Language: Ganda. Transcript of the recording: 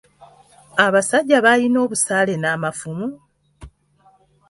Abasajja baaalina obusaale n'amafumu!